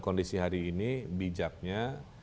kondisi hari ini bijaknya